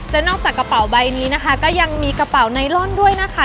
และนอกจากกระเป๋าใบนี้นะคะก็ยังมีกระเป๋าไนลอนด้วยนะคะ